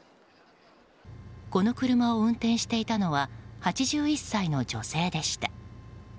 この車を運転していたのは８１歳の女性でした。